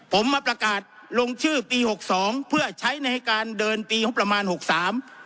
ผมมาประกาศลงชื่อปีหกสองเพื่อใช้ในการเดินปีงบประมาณหกสาม